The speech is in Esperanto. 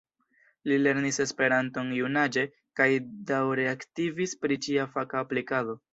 Li lernis Esperanton junaĝe kaj daŭre aktivis pri ĝia faka aplikado.